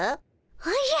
おじゃ！